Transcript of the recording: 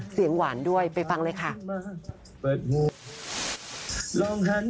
เสียงหวานด้วยไปฟังเลยค่ะ